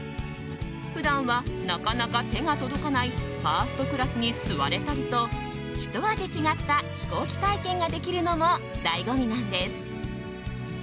普段はなかなか手が届かないファーストクラスに座れたりとひと味違った飛行機体験ができるのも醍醐味なんです。